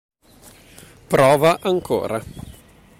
Prova ancora.